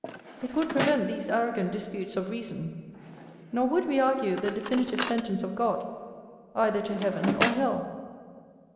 it would prevent these arrogant disputes of reason: nor would we argue the definitive sentence of God, either to heaven or hell.